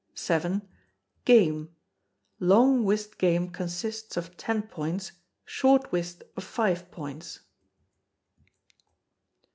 vii. Game. _Long Whist game consists of ten points, Short Whist of five points.